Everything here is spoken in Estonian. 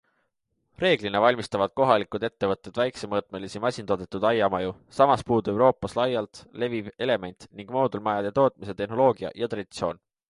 Reeglina valmistavad kohalikud ettevõtted väiksemõõtmelisi masintoodetud aiamaju, samas puudub Euroopas laialt leviv element- ning moodulmajade tootmise tehnoloogia ja traditsioon.